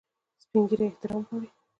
سپین ږیری احترام غواړي